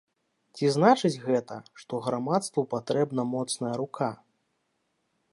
Ці значыць гэта, што грамадству патрэбна моцная рука?